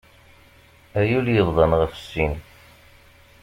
Ay ul yebḍan ɣef sin!